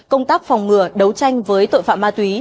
công tác phòng ngừa đấu tranh với tội phạm ma túy